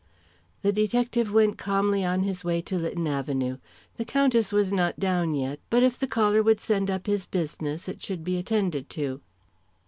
The detective went calmly on his way to Lytton Avenue. The Countess was not down yet, but if the caller would send up his business it should be attended to.